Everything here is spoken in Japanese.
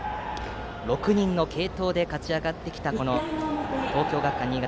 ６人の継投で勝ち上がってきた東京学館新潟。